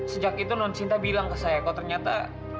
sejak itu nonsinta bilang ke saya kok ternyata